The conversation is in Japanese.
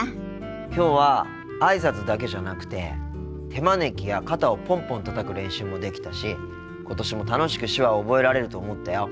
きょうはあいさつだけじゃなくて手招きや肩をポンポンたたく練習もできたし今年も楽しく手話を覚えられると思ったよ。